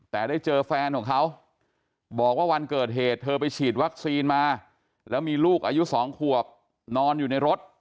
แต่ได้เจอแฟนของเขาบอกว่าวันเกิดเหตุเธอไปฉีดวัคซีนมาแล้วมีลูกอายุ๒ขวบนอนอยู่ในรถ